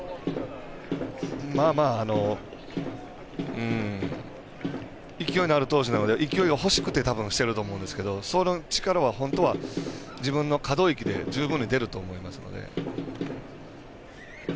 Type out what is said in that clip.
まあまあ、勢いのある投手なので勢いがほしくてしていると思うんですけどその力は本当は自分の可動域で十分に出ると思いますので。